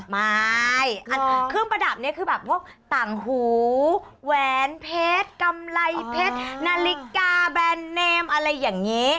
ไม่เครื่องประดับนี้คือแบบพวกต่างหูแหวนเพชรกำไรเพชรนาฬิกาแบรนด์เนมอะไรอย่างนี้